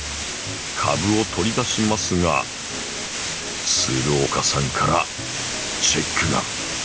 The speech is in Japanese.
株を取り出しますが岡さんからチェックが！